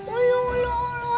aluh aluh aluh